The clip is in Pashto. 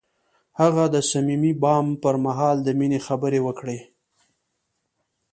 هغه د صمیمي بام پر مهال د مینې خبرې وکړې.